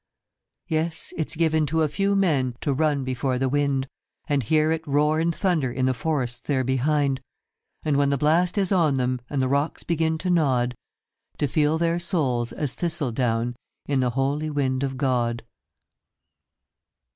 Yes, it's given to a few men to run before the wind And hear it roar and thunder in the forests there behind ; And when the blast is on them, and the rocks begin to nod To feel their souls as thistledown in the holy wind of God.